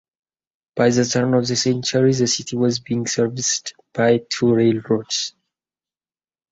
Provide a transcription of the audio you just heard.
By the turn of the century, the city was being serviced by two railroads.